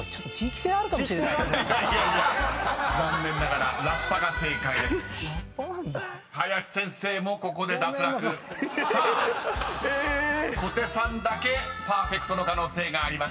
［さあ小手さんだけパーフェクトの可能性があります］